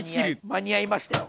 間に合いましたよ。